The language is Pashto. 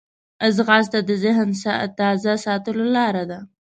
ځغاسته د ذهن تازه ساتلو لاره ده